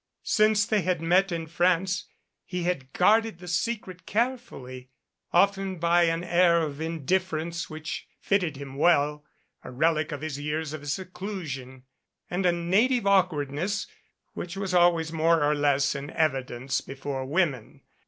Since they had met in France he had guarded the se cret carefully often by an air of indifference which fitted him well, a relic of his years of seclusion, and a native awk wardness which was always more or less in evidence before women.